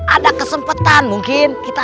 ada kesempetan mungkin